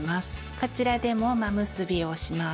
こちらでも真結びをします。